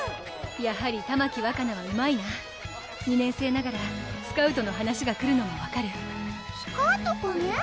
やはり玉木わかなはうまいな２年生ながらスカウトの話が来るのも分かるスカートコメ？